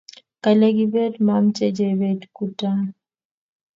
kale kibet mamche jebet ketun